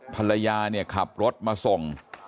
ภรรยาเนี่ยขับรถมาส่ง